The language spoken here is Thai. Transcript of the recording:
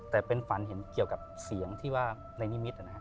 แต่เป็นฝันเห็นเกี่ยวกับเสียงที่ว่าในนิมิตนะครับ